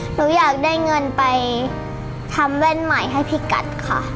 หนูอยากได้เงินไปทำแว่นใหม่ให้พี่กัดค่ะ